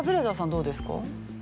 どうですか？